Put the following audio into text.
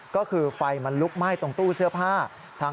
ก็คือไฟมันลุกไหม้ตรงตู้เสื้อผ้า